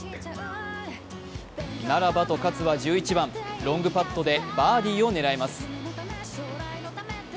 ならばと勝は１１番、ロングパットでバーディーを狙います。